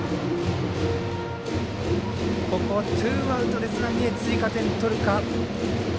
ここツーアウトで三重追加点、取るか。